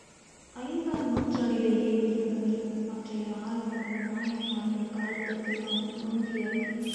ஐந்தாம் நூற்றாண்டிலேயே இருந்தவர் மற்றைய ஆழ்வார்கள் நாயன்மார்கள் காலத்துக்கெல்லாம் முந்தியவர்.